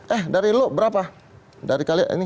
eh dari lo berapa